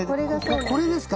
えこれですか？